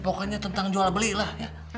pokoknya tentang jual beli lah ya